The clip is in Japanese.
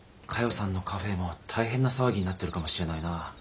さんのカフェーも大変な騒ぎになってるかもしれないな。